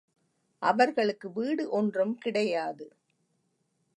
அவர்களுக்கு வீடு ஒன்றும் கிடையாது.